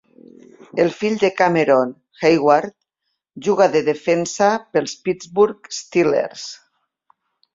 El fill de Cameron, Heyward, juga de defensa pels Pittsburgh Steelers.